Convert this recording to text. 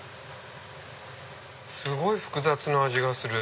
すごい複雑な味がする。